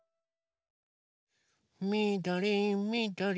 みどりみどり。